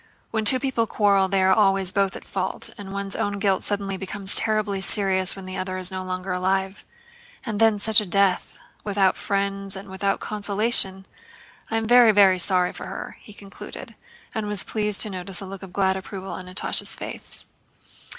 When two people quarrel they are always both in fault, and one's own guilt suddenly becomes terribly serious when the other is no longer alive. And then such a death... without friends and without consolation! I am very, very sorry for her," he concluded, and was pleased to notice a look of glad approval on Natásha's face.